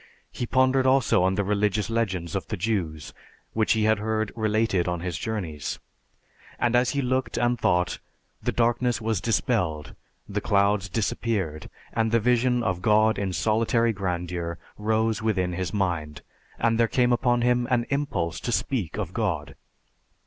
He pondered also on the religious legends of the Jews, which he had heard related on his journeys; and as he looked and thought, the darkness was dispelled, the clouds disappeared, and the vision of God in solitary grandeur rose within his mind, and there came upon him an impulse to speak of God.